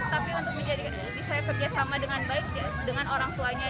tapi untuk bisa bekerjasama dengan baik dengan orang tuanya